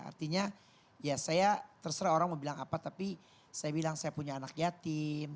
artinya ya saya terserah orang mau bilang apa tapi saya bilang saya punya anak yatim